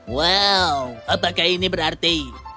wow apakah ini berarti